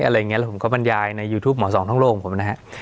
แล้วผมก็บรรยายในยูทูปหมอสองท่องโลกของผมนะฮะ